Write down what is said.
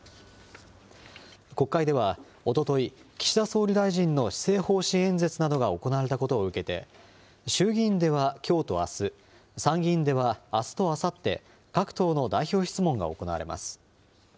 国会ではおととい、岸田総理大臣の施政方針演説などが行われたことを受けて、衆議院ではきょうとあす、参議院ではあすとあさって、各党の代表質問が行われます。